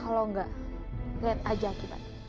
kalau enggak lihat aja kita